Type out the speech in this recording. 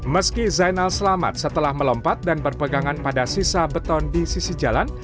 meski zainal selamat setelah melompat dan berpegangan pada sisa beton di sisi jalan